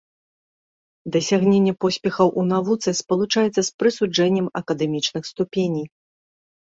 Дасягненне поспехаў у навуцы спалучаецца з прысуджэннем акадэмічных ступеней.